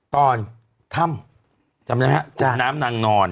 ตอนถ้ำจำไหมครับน้ำนางนอน